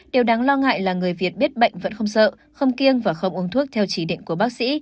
điều đáng lo ngại là người việt biết bệnh vẫn không sợ không kiêng và không uống thuốc theo chỉ định của bác sĩ